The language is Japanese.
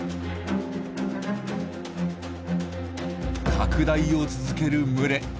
拡大を続ける群れ。